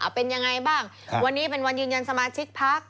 เป็นยังไงบ้างวันนี้เป็นวันยืนยันสมาชิกพัก